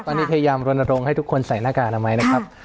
ตอนนี้พยายามรณรงค์ให้ทุกคนใส่หน้ากากอนามัยนะครับ